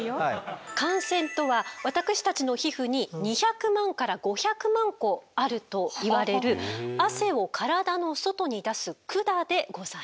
汗腺とは私たちの皮膚に２００万から５００万個あるといわれる汗を体の外に出す管でございます。